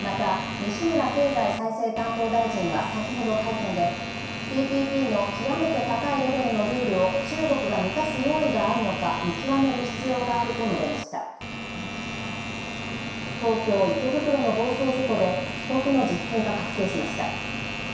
西村経済産業大臣は先ほど会見で、ＴＰＰのきわめて中国が満たす用意があるのか見極める必要があると述べました東京池袋の暴走事故で被告の実刑が確定しました。